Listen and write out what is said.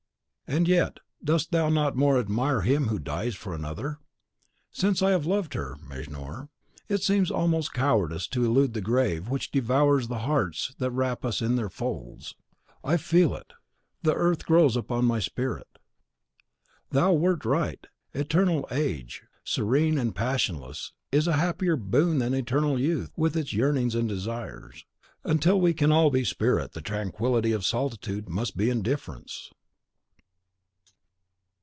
And yet dost thou not more admire him who dies for another? Since I have loved her, Mejnour, it seems almost cowardice to elude the grave which devours the hearts that wrap us in their folds. I feel it, the earth grows upon my spirit. Thou wert right; eternal age, serene and passionless, is a happier boon than eternal youth, with its yearnings and desires. Until we can be all spirit, the tranquillity of solitude must be indifference.